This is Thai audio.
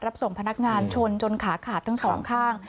รับส่งพนักงานชนจนขาขาดทั้งสองข้าง